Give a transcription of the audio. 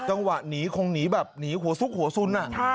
จังหวะหนีคงหนีแบบหนีหัวซุกหัวสุน